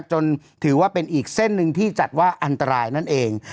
จนถือว่าเป็นอีกเส้นหนึ่งที่จัดว่าอันตรายนั่นเอง